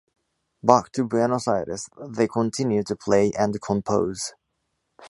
Back to Buenos Aires, they continued to play and compose.